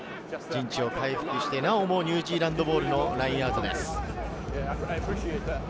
陣地を回復して、なおもニュージーランドボールのラインアウトです。